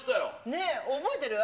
ねえ、覚えてる？